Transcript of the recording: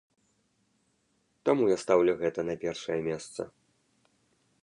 Таму я стаўлю гэта на першае месца.